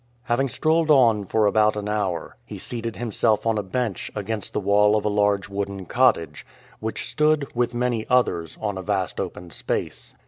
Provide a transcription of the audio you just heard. Having strolled on for about an hour, he seated himself on a bench against the wall of a large wooden cottage, which stood, with many others, on a vast open space.